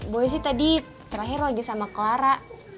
boleh sih tadi terakhir lagi sama clara